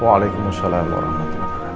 waalaikumsalam warahmatullahi wabarakatuh